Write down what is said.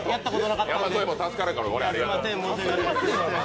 山添も助かるから。